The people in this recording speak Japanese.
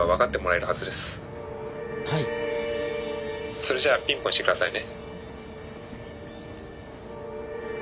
それじゃあピンポンして下さいね。